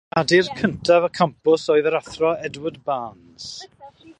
Curadur cyntaf y campws oedd yr Athro Edward Barnes.